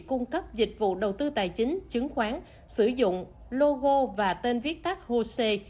cung cấp dịch vụ đầu tư tài chính chứng khoán sử dụng logo và tên viết tắt hồ sê